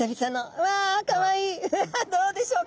うわっどうでしょうか？